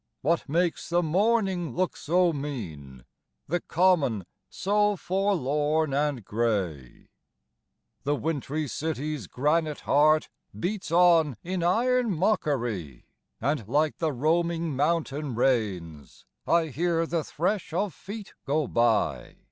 What makes the morning look so mean, The Common so forlorn and gray? The wintry city's granite heart Beats on in iron mockery, And like the roaming mountain rains, I hear the thresh of feet go by.